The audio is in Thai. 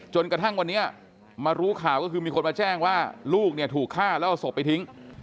จนกระทั่งวันนี้มารู้ข่าวก็คือมีคนมาแจ้งว่าลูกเนี่ยถูกฆ่าแล้วเอาศพไปทิ้ง